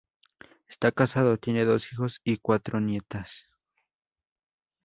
Está casado, tiene dos hijos y cuatro nietas.